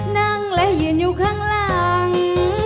นั่งและยืนอยู่ข้างหลัง